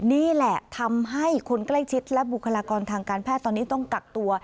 นี่แหละทำให้คนใกล้ชิดและบุคลากรทางการแพทย์ตอนนี้ต้องกักตัว